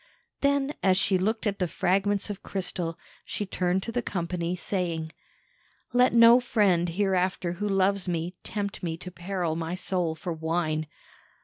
Then, as she looked at the fragments of crystal, she turned to the company, saying: "Let no friend hereafter who loves me tempt me to peril my soul for wine.